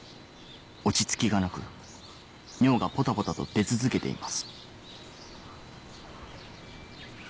落ち着きがなく尿がポタポタと出続けています